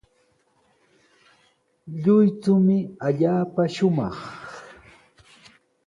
Lluychumi allaapa shumaq.